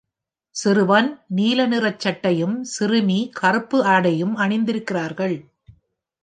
சிறுவன் நீல நிற சட்டையும் சிறுமி கருப்பு ஆடையும் அணிந்திருக்கிறார்கள்.